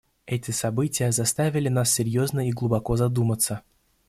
Эти события заставили нас серьезно и глубоко задуматься.